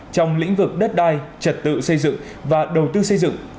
trong lĩnh vực đất đai trật tự xây dựng và đầu tư xây dựng